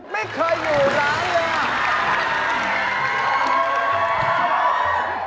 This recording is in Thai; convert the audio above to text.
ไม่เคยอยู่ร้ายน่ะ